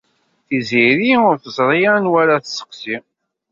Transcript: Tiziri ur teẓri anwa ara tesseqsi.